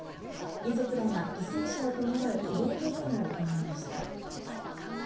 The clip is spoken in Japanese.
遺族らが犠牲者を弔う慰霊登山を行いました。